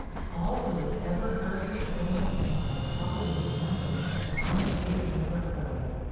All who have ever heard her sing this hymn will probably remember it as long as they remember her.